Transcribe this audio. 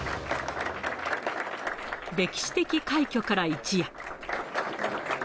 歴史的快挙から一夜。